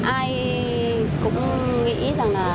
ai cũng nghĩ rằng là